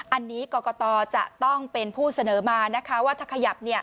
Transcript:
อันนี้กรกตจะต้องเป็นผู้เสนอมานะคะว่าถ้าขยับ